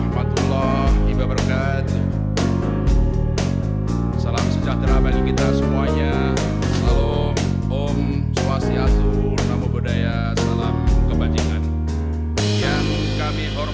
pak peri warjio